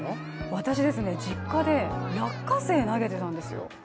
私、実家で落花生投げてたんですよ。